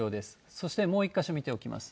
そしてもう１か所見ておきます。